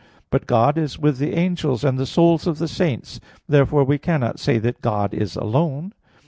But God is with the angels and the souls of the saints. Therefore we cannot say that God is alone.